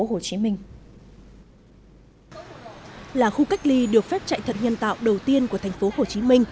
là khu cách ly được phép chạy thận nhân tạo đầu tiên của tp hcm